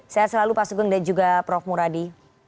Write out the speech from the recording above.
saya selalu pak sugeng dan juga prof muradi